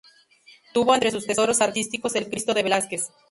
Tuvo entre sus tesoros artísticos el "Cristo de Velázquez".